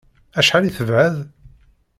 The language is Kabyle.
Acḥal i tebɛed?